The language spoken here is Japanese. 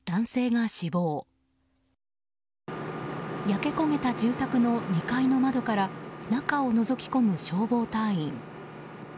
焼け焦げた住宅の２階の窓から中をのぞき込む消防隊員。